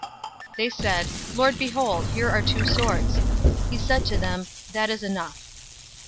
022:038 They said, "Lord, behold, here are two swords." He said to them, "That is enough."